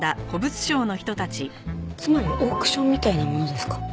つまりオークションみたいなものですか？